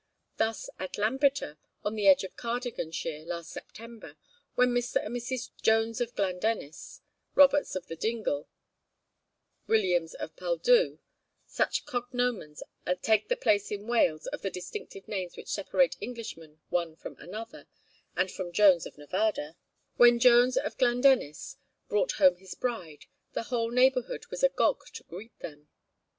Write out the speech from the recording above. Thus at Lampeter, on the edge of Cardiganshire, last September, when Mr. and Mrs. Jones of Glandennis (Jones of Glandennis, Roberts of the Dingle, Williams of Pwlldu, such cognomens take the place in Wales of the distinctive names which separate Englishmen one from another, and from Jones of Nevada), when Jones of Glandennis brought home his bride, the whole neighbourhood was agog to greet them.